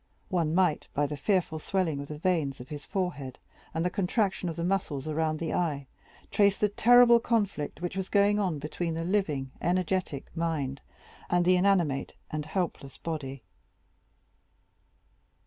One might by the fearful swelling of the veins of his forehead and the contraction of the muscles round the eye, trace the terrible conflict which was going on between the living energetic mind and the inanimate and helpless body.